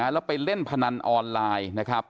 แล้วไปเล่นพนันออนไลน์นะครับ